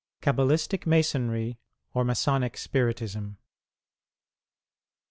Cabalistic Masonry or Masonic Spiritism.